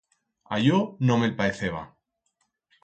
A yo no me'l paeceba.